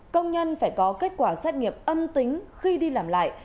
công nhân phải có kết quả xét nghiệm âm tính khi đi làm lại